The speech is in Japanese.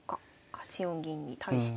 ８四銀に対して。